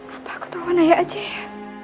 apa yang aku tahu ayah juga